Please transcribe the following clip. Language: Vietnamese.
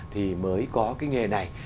thì mới có cái nghề này